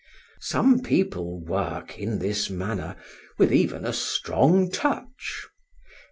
Some people work, in this manner, with even a strong touch.